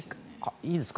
いいですか？